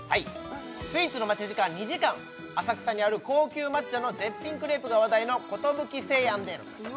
スイーツの待ち時間２時間浅草にある高級抹茶の絶品クレープが話題の寿清庵です